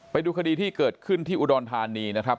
ไปดูคดีที่เกิดขึ้นที่อุดรธานีนะครับ